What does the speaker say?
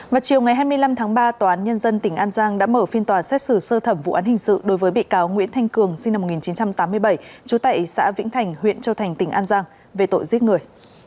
vào chiều ngày hai mươi năm tháng ba tòa án nhân dân tỉnh an giang đã mở phiên tòa xét xử sơ thẩm vụ án hình sự đối với bị cáo nguyễn thanh cường sinh năm một nghìn chín trăm tám mươi bảy trú tại xã vĩnh thành huyện châu thành tỉnh an giang về tội giết người